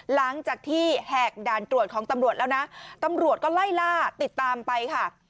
หลังจากที่แหกด่านตรวจของตำรวจแล้วนะตำรวจก็ไล่ล่าติดตามไปค่ะ